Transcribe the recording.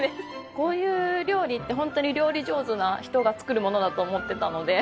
こういう料理ってホントに料理上手な人が作るものだと思ってたので。